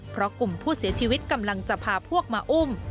เพราะกลุ่มผู้เสียชีวิตกำลังจะพาพวกมาอุ้ม